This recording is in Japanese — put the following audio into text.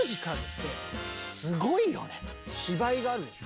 芝居があるでしょ。